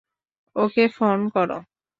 ওকে phone করো।